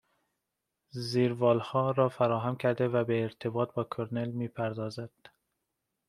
زیرروالها را فراهم کرده و به ارتباط با کرنل میپردازد